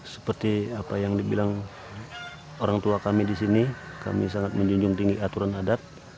seperti apa yang dibilang orang tua kami di sini kami sangat menjunjung tinggi aturan adat